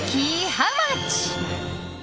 ハウマッチ。